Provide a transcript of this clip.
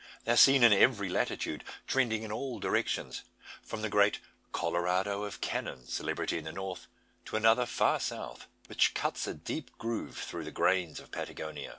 They are seen in every latitude, trending in all directions, from the great Colorado of canon celebrity in the north to another far south, which cuts a deep groove through the plains of Patagonia.